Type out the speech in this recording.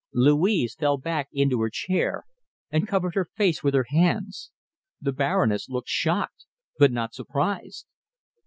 Louise fell back into her chair and covered her face with her hands. The Baroness looked shocked but not surprised.